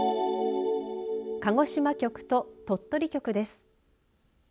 鹿児島局と鳥取局です。